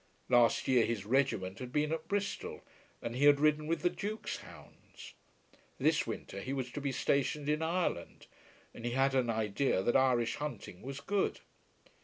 Last year his regiment had been at Bristol and he had ridden with the Duke's hounds. This winter he was to be stationed in Ireland, and he had an idea that Irish hunting was good.